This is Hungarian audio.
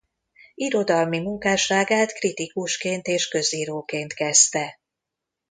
Irodalmi munkásságát kritikusként és közíróként kezdte.